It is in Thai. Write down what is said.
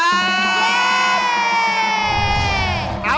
เย้